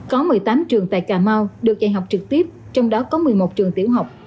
có một mươi tám trường tại cà mau được dạy học trực tiếp trong đó có một mươi một trường tiểu học